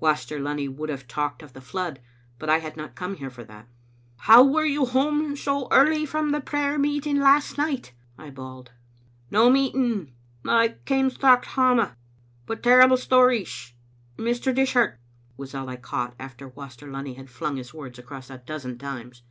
Waster Lunny would have talked of the flood, but I had not come here for that. " How were you home so early from the prayer meet ing last night?" I bawled. "No meeting ... I came straucht hame ... but terrible stories ... Mr. Dishart," was all I caught after Waster Lunny had flung his words across a dozen times.